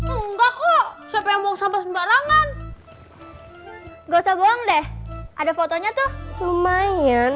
enggak kok siapa yang mau sampai sembarangan gak usah bohong deh ada fotonya tuh lumayan